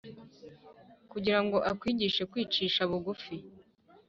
kugira ngo akwigishe kwicisha bugufi,